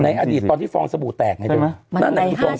อดีตตอนที่ฟองสบู่แตกไงเธอ